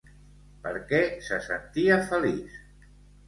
Per què se sentia feliç?